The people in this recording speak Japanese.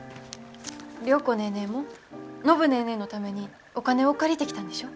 良子ネーネーも暢ネーネーのためにお金を借りてきたんでしょ？